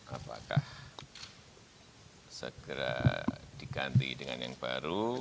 apakah segera diganti dengan yang baru